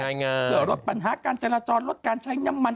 เพื่อลดปัญหาการจราจรลดการใช้น้ำมัน